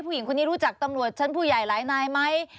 ผู้หญิงคนนี้รู้จักตำรวจชั้นผู้ใหญ่หลายนายไหม